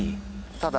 ただ。